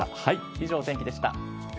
以上、お天気でした。